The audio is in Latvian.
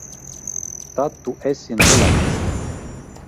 Tad tu esi nolemts!